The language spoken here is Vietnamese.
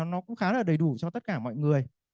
nó cũng khá là đầy đủ cho tất cả mọi người